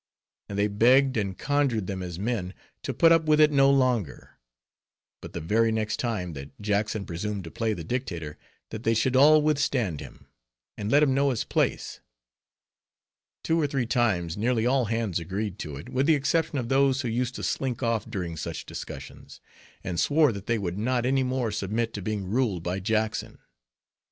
And they begged and conjured them as men, to put up with it no longer, but the very next time, that Jackson presumed to play the dictator, that they should all withstand him, and let him know his place. Two or three times nearly all hands agreed to it, with the exception of those who used to slink off during such discussions; and swore that they would not any more submit to being ruled by Jackson.